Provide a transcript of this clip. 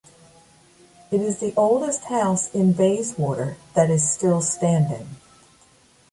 It is the oldest house in Bayswater that is still standing.